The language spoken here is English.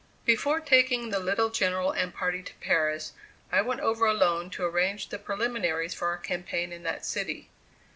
Before taking the little General and party to Paris, I went over alone to arrange the preliminaries for our campaign in that city.